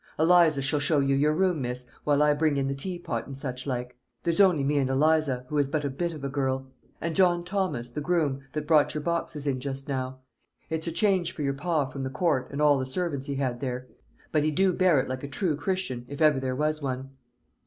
Eliza shall show you your room, miss, while I bring in the teapot and such like. There's only me and Eliza, who is but a bit of a girl; and John Thomas, the groom, that brought your boxes in just now. It's a change for your pa from the Court, and all the servants he had there; but he do bear it like a true Christian, if ever there was one."